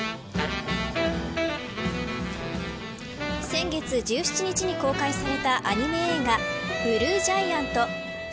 先月１７日に公開されたアニメ映画ＢＬＵＥＧＩＡＮＴ。